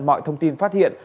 mọi thông tin phát hiện